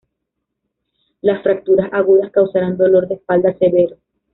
Las fracturas agudas causarán dolor de espalda severo.